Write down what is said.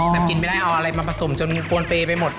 กินไม่ได้เอาอะไรมาผสมจนปวนเปย์ไปหมด